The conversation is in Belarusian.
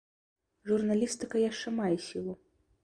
Журналістыка яшчэ мае сілу.